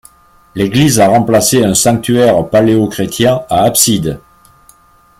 L'église a remplacé un sanctuaire paléochrétien à abside.